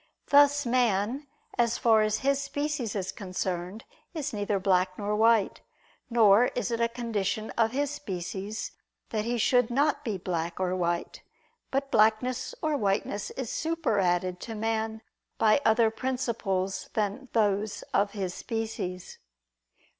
Thus man, as far as his species is concerned, is neither white nor black; nor is it a condition of his species that he should not be black or white; but blackness or whiteness is superadded to man by other principles than those of his species.